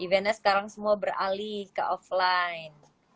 eventnya sekarang semua beralih ke offline